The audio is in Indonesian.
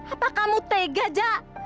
apa kamu tega jak